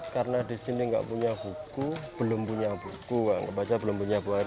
karena di sini gak punya buku belum punya buku